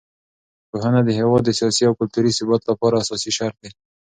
پوهنه د هېواد د سیاسي او کلتوري ثبات لپاره اساسي شرط دی.